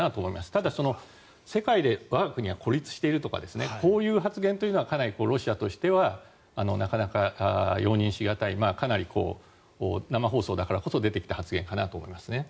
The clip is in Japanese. ただ、世界で我が国は孤立しているとかこういう発言というのはかなりロシアとしてはなかなか容認し難い生放送だからこそ出てきた発言かなと思いますね。